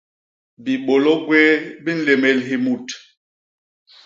Bibôlô gwéé bi nlémél hi mut.